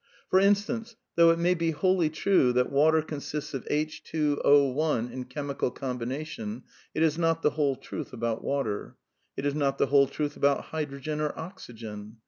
For instance, though it may be wholly true that water consists of H2O1 in chemical combination, it is not the whole truth about water ; it is not the whole truth about hydrogen or oxygen.